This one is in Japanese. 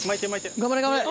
頑張れ頑張れ。